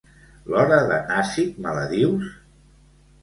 L'hora de Nasik me la dius?